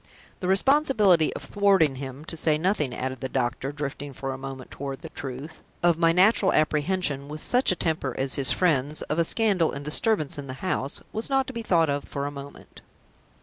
The responsibility of thwarting him to say nothing," added the doctor, drifting for a moment toward the truth, "of my natural apprehension, with such a temper as his friend's, of a scandal and disturbance in the house was not to be thought of for a moment.